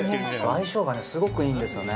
相性がすごくいいんですよね。